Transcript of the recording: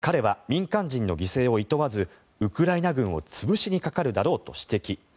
怒り、いら立っている彼は民間人の犠牲をいとわずウクライナ軍を潰しにかかるだろうと指摘。